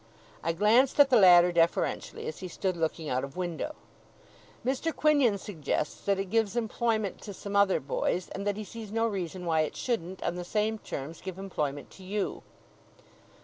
I glanced at the latter deferentially as he stood looking out of window. 'Mr. Quinion suggests that it gives employment to some other boys, and that he sees no reason why it shouldn't, on the same terms, give employment to you.